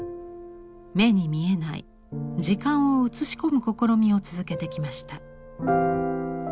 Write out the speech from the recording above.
目に見えない「時間」を写し込む試みを続けてきました。